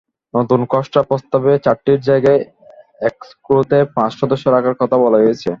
নতুন খসড়া প্রস্তাবে চারটির জায়গায় এক্সকোতে পাঁচ সদস্য রাখার কথা বলা হয়েছে।